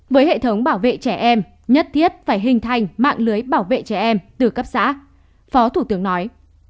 với hệ thống bảo vệ trẻ em nhất thiết phải hình thành mạng lưới bảo vệ trẻ em từ cấp xã phó thủ tướng nói